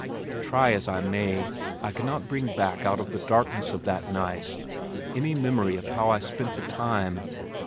Try as I may, I cannot bring back out of the darkness of that night any memory of how I spent the time.